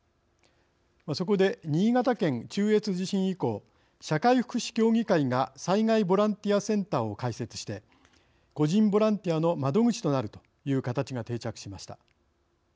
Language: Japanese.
そこで新潟県中越地震以降社会福祉協議会が災害ボランティアセンターを開設して個人ボランティアの窓口となるという形が定着しました。